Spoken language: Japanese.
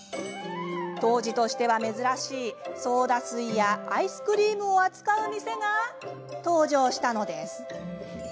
当時としては珍しいソーダ水やアイスクリームを扱う店が登場したのです。